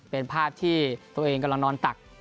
เป็นภาพที่ตัวเองกำลังนอนตัก